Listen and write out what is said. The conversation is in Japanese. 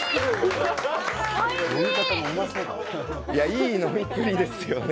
いい飲みっぷりですよね。